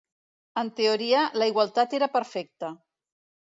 En teoria, la igualtat era perfecta